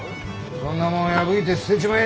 そんなもん破いて捨てちまえ。